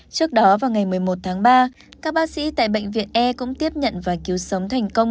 trước đó vào ngày một mươi một tháng ba các bác sĩ tại bệnh viện e cũng tiếp nhận và cứu sống thành công